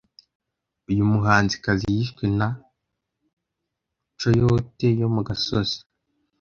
Uyu muhanzikazi yishwe na coyote yo mu gasozi.